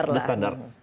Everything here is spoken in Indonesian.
sudah standar lah